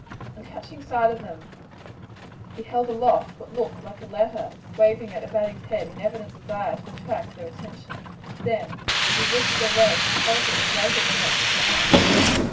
On catching sight of them he held aloft what looked like a letter, waving it about his head in evident desire to attract their attention; then as he reached their road he halted and waited for them to come up.